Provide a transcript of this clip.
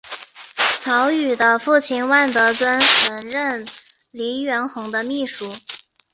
曹禺的父亲万德尊曾任黎元洪的秘书。